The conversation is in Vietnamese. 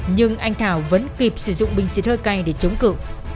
nhưng anh thảo vẫn kịp sử dụng bình xịt hơi cay để chống cự